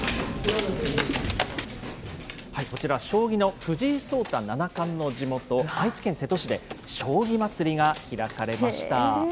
こちら、将棋の藤井聡太七冠の地元、愛知県瀬戸市で、将棋まつりが開かれました。